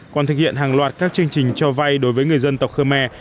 còn thực hiện hàng loạt các chương trình cho vay đối với người dân tộc khmer